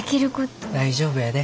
大丈夫やで。